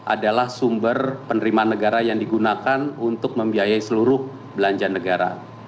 adalah sumber penerimaan negara yang digunakan untuk membiayai seluruh belanja negara